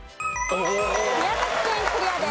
宮崎県クリアです。